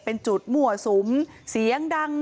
เป็นจุดมั่วสุมเสียงดัง